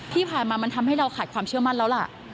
ที่ผ่านมามันทำให้เราขาดความเชื่อมั่นแล้วล่ะ